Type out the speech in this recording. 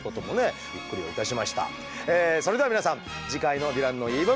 それでは皆さん次回の「ヴィランの言い分」